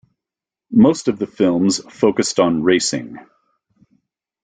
Most of the films focussed on racing.